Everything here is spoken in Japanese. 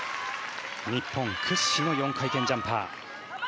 日本屈指の４回転ジャンパー。